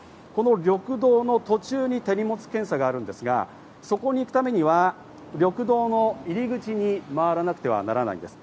緑道の途中に手荷物検査がありますが、そこに行くためには緑道の入り口に回らなくてはならないです。